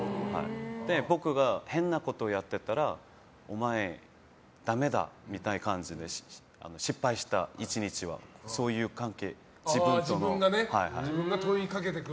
僕が変なことをやってたらお前、ダメだみたいな感じで失敗した１日は、そういう関係自分が問いかけてくる。